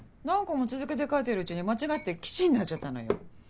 何個も続けて書いてるうちに間違って吉になっちゃったのよ。